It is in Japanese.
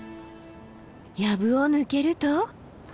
やぶを抜けると。